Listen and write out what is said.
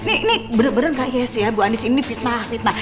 ini bener bener gak yes ya bu anies ini fitnah fitnah